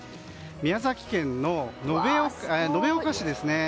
宮崎県の延岡市ですね。